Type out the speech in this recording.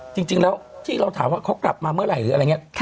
จริงแล้วที่เราถามว่าเขากลับมาเมื่อไหร่หรืออะไรอย่างนี้